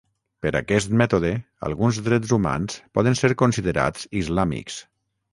Per aquest mètode, alguns drets humans poden ser considerats "islàmics".